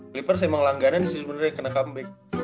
clippers emang langganan sih sebenarnya kena comeback